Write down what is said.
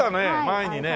前にね。